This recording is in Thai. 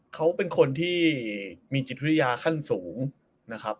เขาเป็นคนที่มีจิตวิทยาขั้นสูงนะครับ